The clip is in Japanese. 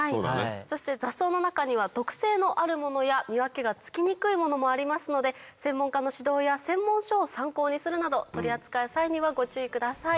そして雑草の中には毒性のあるものや見分けがつきにくいものもありますので専門家の指導や専門書を参考にするなど取り扱いの際にはご注意ください。